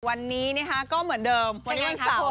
วันนี้นะคะก็เหมือนเดิมวันนี้วันเสาร์